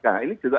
nah ini juga